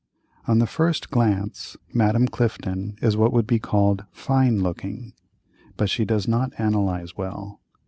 On the first glance, Madame Clifton is what would be called "fine looking," but she does not analyse well.